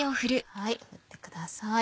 振ってください。